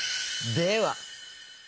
では。